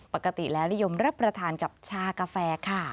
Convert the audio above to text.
ปกติแล้วนิยมรับประทานกับชากาแฟค่ะ